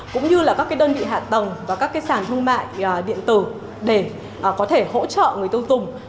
cũng như là các đơn vị hạ tầng và các sản thương mại điện tử để có thể hỗ trợ người tiêu dùng